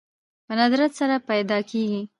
په ندرت سره پيدا کېږي